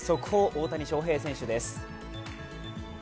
大谷翔平選手です。